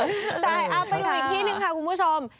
ใช่เอาไปดูอีกที่หนึ่งค่ะคุณผู้ชม